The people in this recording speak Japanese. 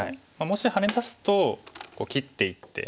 もしハネ出すと切っていって。